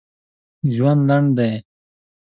ژوند لنډ دی